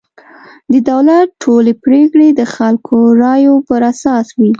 د دولت ټولې پرېکړې د خلکو رایو پر اساس وي.